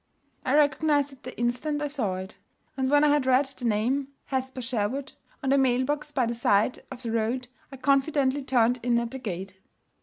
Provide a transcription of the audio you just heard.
I recognized it the instant I saw it; and when I had read the name 'Hesper Sherwood' on the mailbox by the side of the road, I confidently turned in at the gate.